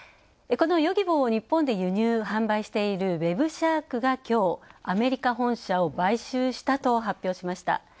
このヨギボーを日本で輸入・販売しているウェブシャークがきょう、アメリカ本社を買収したと発表しました。